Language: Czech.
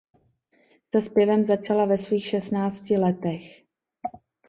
Se zpěvem začala ve svých šestnácti letech.